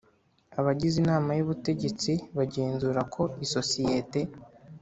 Abagize Inama y Ubutegetsi bagenzura ko isosiyete